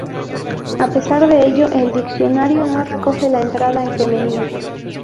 A pesar de ello, el diccionario no recoge la entrada en femenino.